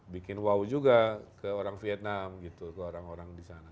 bikin wow juga ke orang vietnam gitu ke orang orang di sana